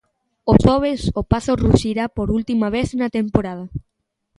O xoves o Pazo ruxirá por última vez na temporada.